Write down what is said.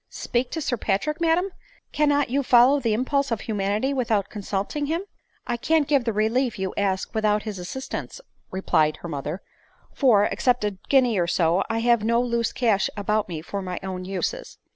w Speak to Sir Patrick, madam ! cannot you follow the impulse of humanity without consulting him ?"/^ 68 ADELINE MOWBRAY. " I can't give the relief you ask without his assistance," replied her mother ;" for, except a guinea or so, I have no loose cash about me for my own uses.